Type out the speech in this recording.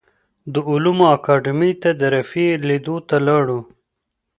د علومو اکاډیمۍ ته د رفیع لیدو ته لاړو.